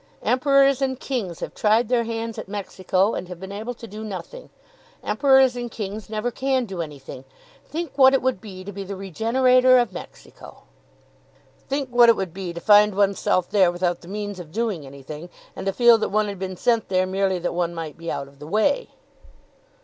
Emperors and kings have tried their hands at Mexico and have been able to do nothing. Emperors and kings never can do anything. Think what it would be to be the regenerator of Mexico!" "Think what it would be to find one's self there without the means of doing anything, and to feel that one had been sent there merely that one might be out of the way."